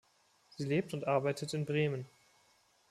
Sie lebt und arbeitet in Bremen.